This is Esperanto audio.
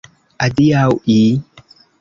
Adiaŭi?